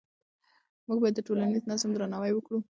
موږ باید د ټولنیز نظام درناوی وکړو.